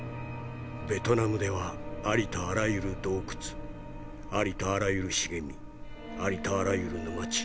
ベトナムではありとあらゆる洞窟ありとあらゆる茂みありとあらゆる沼地